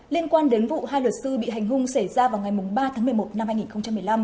liên quan đến vụ hai luật sư bị hành hung xảy ra vào ngày ba tháng một mươi một năm hai nghìn một mươi năm